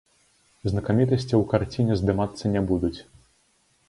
Знакамітасці ў карціне здымацца не будуць.